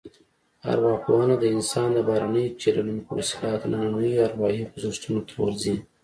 ارواپوهنه د انسان د بهرنیو چلنونو په وسیله دنننیو اروايي خوځښتونو ته ورځي